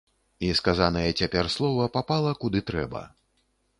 І сказанае цяпер слова папала куды трэба.